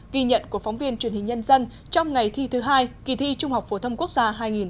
ghi nhận của phóng viên truyền hình nhân dân trong ngày thi thứ hai kỳ thi trung học phổ thông quốc gia hai nghìn một mươi chín